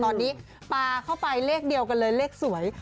ตอนนี้ปลาเข้าไปเลขเดียวกันเลยเลขสวย